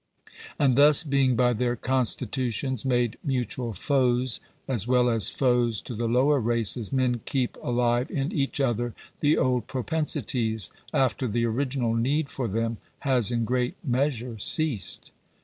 And thus being by their constitutions made mutual foes, as well as foes to the lower races, men keep alive in each other the old propensities, after the original need for them has in great measure ceased.